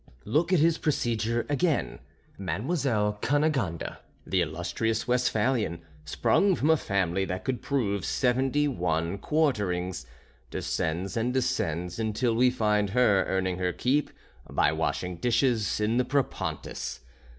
Look at his procedure again. Mademoiselle Cunégonde, the illustrious Westphalian, sprung from a family that could prove seventy one quarterings, descends and descends until we find her earning her keep by washing dishes in the Propontis.